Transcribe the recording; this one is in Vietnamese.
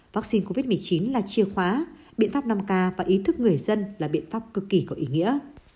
vaccine covid một mươi chín là chìa khóa biện pháp năm k và ý thức người dân là biện pháp cực kỳ có ý nghĩa